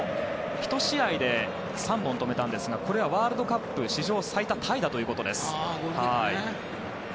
１試合で３本止めたんですがこれはワールドカップ史上最多タイだということです。